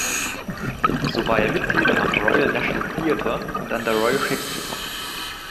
So war er Mitglied am "Royal National Theatre" und an der Royal Shakespeare Company.